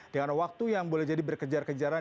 dengan waktu yang boleh jadi berkejar kejaran